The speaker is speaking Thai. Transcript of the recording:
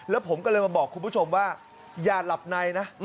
แล้วผมก็เลยมาบอกคุณผู้ชมว่าอย่าหลับในนะ